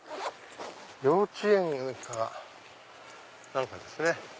幼稚園か何かですね。